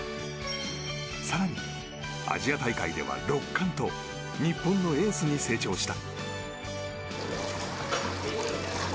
更に、アジア大会では６冠と日本のエースに成長した。